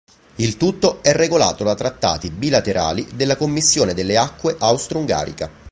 Il tutto è regolato da trattati bilaterali della commissione delle acque austro-ungarica.